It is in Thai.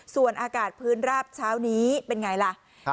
ส่วนอากาศพื้นราบเช้านี้เป็นไงล่ะ